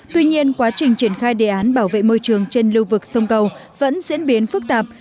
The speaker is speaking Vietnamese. tuy nhiên quá trình triển khai đề án bảo vệ môi trường trên lưu vực sông cầu vẫn diễn biến phức tạp